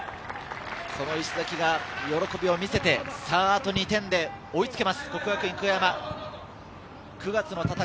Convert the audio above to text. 石崎が喜びを見せて、あと２点で追いつけます。